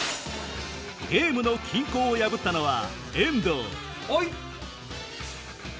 ゲームの均衡を破ったのは遠藤ほい！